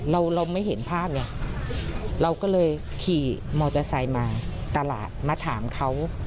เราเราไม่เห็นภาพไงเราก็เลยขี่มอเตอร์ไซค์มาตลาดมาถามเขา